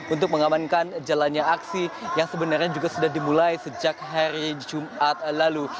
untuk mengamankan jalannya aksi yang sebenarnya juga sudah dimulai sejak hari jumat lalu